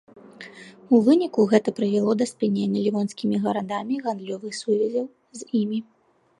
У выніку гэта прывяло да спынення лівонскімі гарадамі гандлёвых сувязяў з імі.